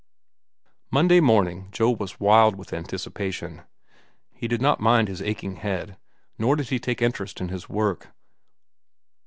Monday morning Joe was wild with anticipation. He did not mind his aching head, nor did he take interest in his work.